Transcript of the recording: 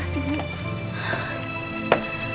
terima kasih mbak